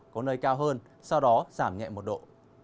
có nơi cao hơn sau đó giảm nhẹ một độ